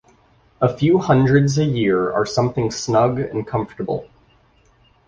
A few hundreds a year are something snug and comfortable.